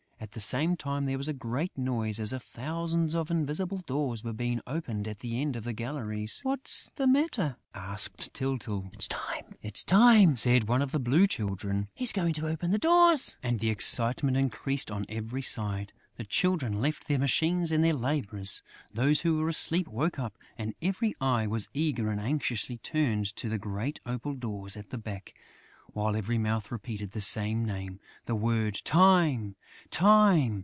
At the same time, there was a great noise, as if thousands of invisible doors were being opened at the end of the galleries. "What's the matter?" asked Tyltyl. "It's Time," said one of the Blue Children. "He's going to open the doors." And the excitement increased on every side. The Children left their machines and their labours; those who were asleep woke up; and every eye was eagerly and anxiously turned to the great opal doors at the back, while every mouth repeated the same name. The word, "Time! Time!"